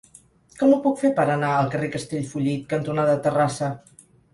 Com ho puc fer per anar al carrer Castellfollit cantonada Terrassa?